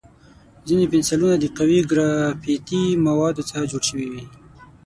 ځینې پنسلونه د قوي ګرافیتي موادو څخه جوړ شوي وي.